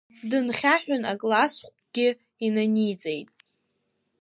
Дынхьаҳәын аклассӷәгьы инаниҵеит.